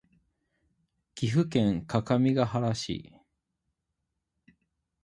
岐阜県各務原市